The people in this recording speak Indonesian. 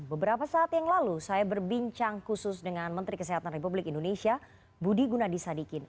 beberapa saat yang lalu saya berbincang khusus dengan menteri kesehatan republik indonesia budi gunadisadikin